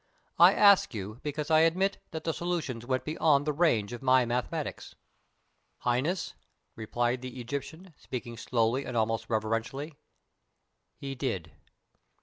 I ask you because I admit that the solutions went beyond the range of my mathematics." "Highness," replied the Egyptian, speaking slowly and almost reverently, "he did.